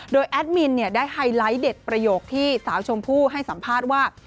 โดยแอดมินได้ไฮไลท์เด็ดประโยคที่สาวชมพู่ให้สัมภาษณ์ว่า